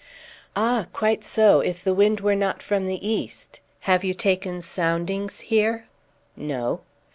"Ah! quite so, if the wind were not from the east. Have you taken soundings here?" "No."